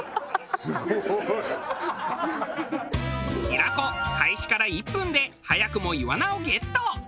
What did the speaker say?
平子開始から１分で早くもイワナをゲット！